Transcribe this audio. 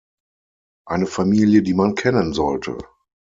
Eine Familie, die man kennen sollte!